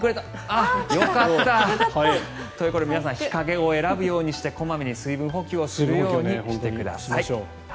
あっ、よかった！ということで皆さん日陰を選ぶようにして小まめに水分補給をするようにしてください。